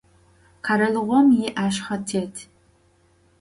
Kheralığom yi'eşshetêt.